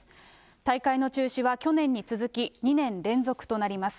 大会の中止は去年に続き、２年連続となります。